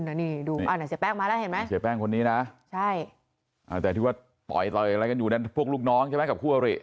เดี๋ยวนี่ดูเสียแป้งมาแล้วเห็นไหมเสียแป้งคนนี้นะใช่แต่ที่ว่าต่อยต่อยอะไรกันอยู่นั้นพวกลูกน้องใช่ไหมกับคู่อริ